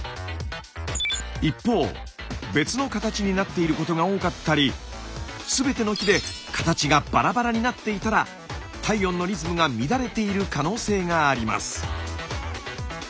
一方別の形になっていることが多かったり全ての日で形がバラバラになっていたら体温のリズムが乱れている可能性があります。